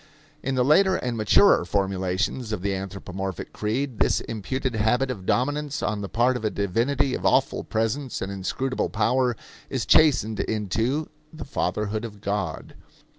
In the later and maturer formulations of the anthropomorphic creed this imputed habit of dominance on the part of a divinity of awful presence and inscrutable power is chastened into "the fatherhood of God."